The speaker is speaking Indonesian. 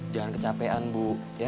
jangan kecapean bu